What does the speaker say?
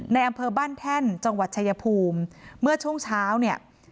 ในอำเภอบ้านแท่นจังหวัดชายภูมิเมื่อช่วงเช้าเนี่ย